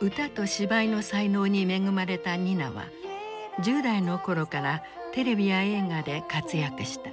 歌と芝居の才能に恵まれたニナは１０代の頃からテレビや映画で活躍した。